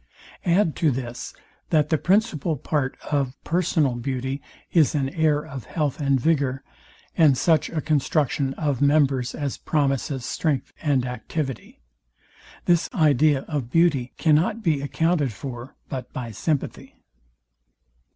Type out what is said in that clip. Add to this, that the principal part of personal beauty is an air of health and vigour, and such a construction of members as promises strength and activity. This idea of beauty cannot be accounted for but by sympathy.